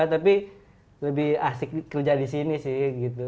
tapi lebih asik kerja disini sih gitu